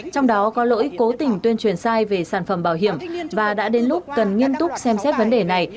trong đó có lỗi cố tình tuyên truyền sai về sản phẩm bảo hiểm và đã đến lúc cần nghiêm túc xem xét vấn đề này